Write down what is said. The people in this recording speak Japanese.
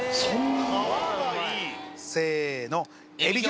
せの。